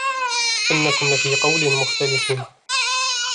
إِنَّكُمْ لَفِي قَوْلٍ مُخْتَلِفٍ